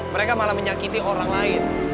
mereka malah menyakiti orang lain